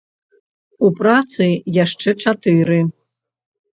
У працы яшчэ чатыры.